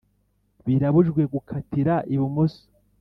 Birabujijwe gukatira ibumoso